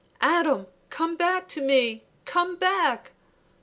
"Adam, come back to me! Come back!"